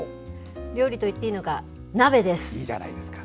料理といっていいのか、鍋です。